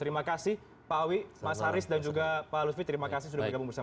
terima kasih pak awi mas haris dan juga pak lutfi terima kasih sudah bergabung bersama